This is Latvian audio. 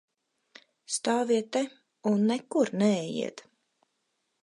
Stāviet te un nekur neejiet!